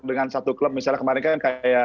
dengan satu klub misalnya kemarin kan kayak